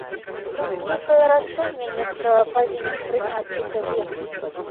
Тут нейкае рашэнне нехта павінен прыняць для сябе.